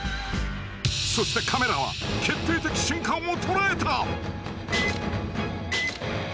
そしてカメラは決定的瞬間を捉えた！